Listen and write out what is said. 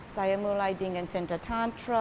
saya mulai dengan center tantra